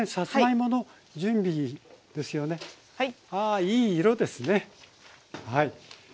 あいい色ですねはい。